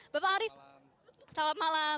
bapak arief selamat malam